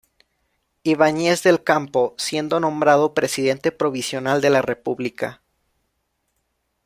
Ibáñez del Campo, siendo nombrado Presidente Provisional de la República.